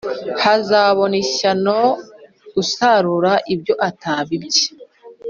Hazabona ishyano usarura ibyo atabibye